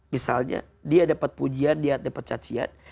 misalnya dia dapat pujian dia dapat cacian